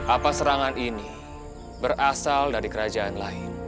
apa serangan ini berasal dari kerajaan lain